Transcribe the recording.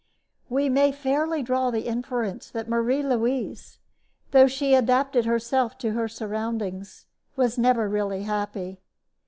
We may fairly draw the inference that Marie Louise, though she adapted herself to her surroundings, was never really happy.